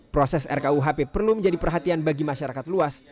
proses rkuhp perlu menjadi perhatian bagi masyarakat luas